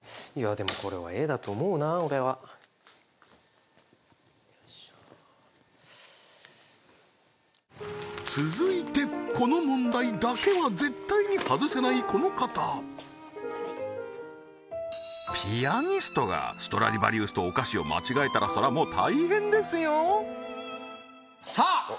でもこれはＡだと思うな俺はよいしょ続いてこの問題だけは絶対に外せないこの方ピアニストがストラディヴァリウスとお菓子を間違えたらそらもう大変ですよさあ